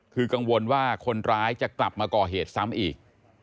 คือกังวลว่าคนร้ายจะกลับมาก่อเหตุซ้ำอีก